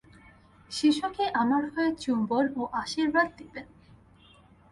শিশুকে আমার হয়ে চুম্বন ও আশীর্বাদ দিবেন।